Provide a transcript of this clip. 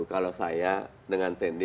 kalau saya dengan sandi